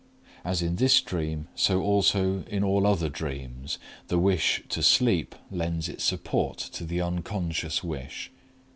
As in this dream so also in all other dreams, the wish to sleep lends its support to the unconscious wish.